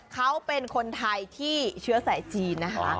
เขาเป็นคนไทยที่เชื้อสายจีนนะคะ